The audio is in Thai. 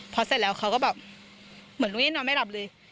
พอเสร็จแล้วเขาก็แบบเหมือนรู้นอนไม่หลับเลย